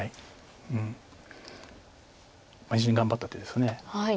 非常に頑張った手です。